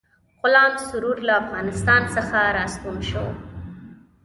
غلام سرور له افغانستان څخه را ستون شو.